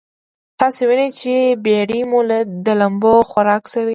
تاسې وينئ چې بېړۍ مو د لمبو خوراک شوې.